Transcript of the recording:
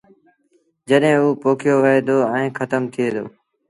جڏهيݩٚ اوٚ پوکيو وهي دو ائيٚݩٚ کتم ٿئي دو